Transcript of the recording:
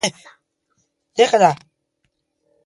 چې کوم شر وي له کوم څیز سره تړلی